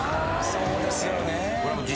そうですよね。